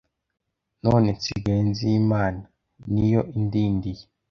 r/ none nsigaye nzi imana; niyo indindiye